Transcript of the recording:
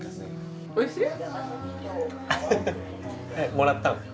もらったの？